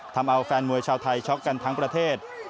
ทำเอาแฟนมวยชาวไทยช็อกกันทั้งประเทศ